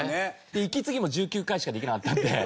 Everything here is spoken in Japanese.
息継ぎも１９回しかできなかったんで。